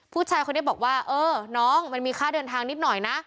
ผู้ชายคนนี้บอกว่าเออน้องมันมีค่าเดินทางนิดหน่อยนะ